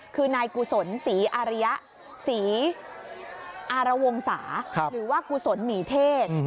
คือนายกุศลศรีอาริยะศรีอารวงศาหรือว่ากุศลหมีเทศ